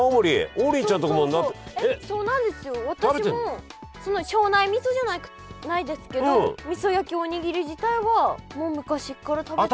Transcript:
私も庄内みそじゃないですけどみそ焼きおにぎり自体はもう昔っから食べて。